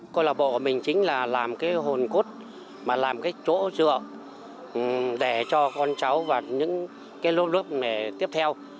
câu lạc bộ của mình chính là làm cái hồn cốt mà làm cái chỗ dựa để cho con cháu và những cái lô lớp này tiếp theo